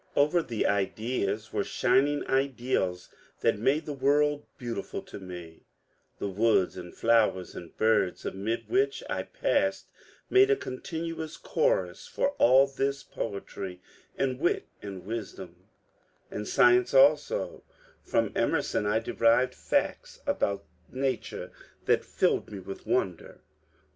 Over the ideas were shining ideals that made the world beautiful to me ; the woods and flowers and birds amid which I passed made a continuous chorus for all this poetry and wit and wisdom^' And science also ; from Emerson I derived facts about nature that filled me with wonder.